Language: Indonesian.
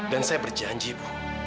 dan saya berjanji ibu